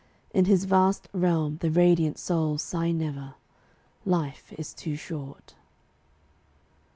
In His vast realm the radiant souls sigh never "Life is too short."